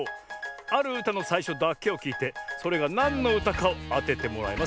あるうたのさいしょだけをきいてそれがなんのうたかをあててもらいます。